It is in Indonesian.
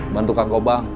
bantu kang gobang